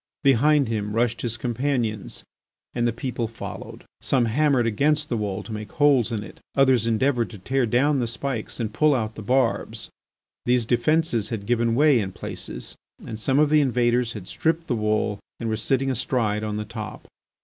Behind him rushed his companions, and the people followed. Some hammered against the wall to make holes in it; others endeavoured to tear down the spikes and to pull out the barbs. These defences had given way in places and some of the invaders had stripped the wall and were sitting astride on the top.